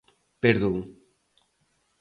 Perdón.